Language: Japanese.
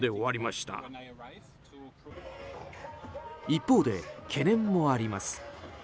一方で、懸念もあります。